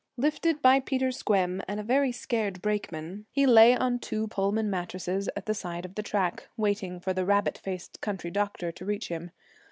Lifted by Peter Squem and a very scared brakeman, he lay on two Pullman mattresses at the side of the track, waiting for the rabbit faced country doctor to reach him.